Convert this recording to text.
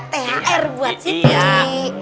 thr buat siti